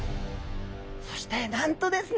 そしてなんとですね